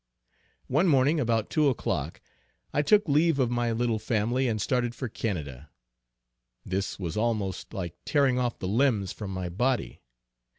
One morning about 2 o'clock, I took leave of my little family and started for Canada. This was almost like tearing off the limbs from my body.